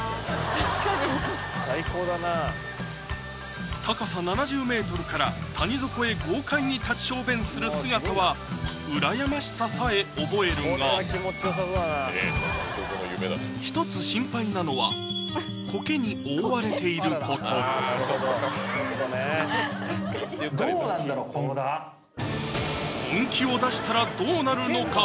確かに高さ７０ｍから谷底へ豪快に立ち小便する姿は羨ましささえ覚えるが一つ心配なのはコケに覆われていること本気を出したらどうなるのか？